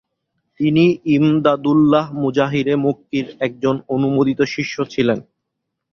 তিনি ইমদাদুল্লাহ মুহাজিরে মক্কির একজন অনুমোদিত শিষ্য ছিলেন।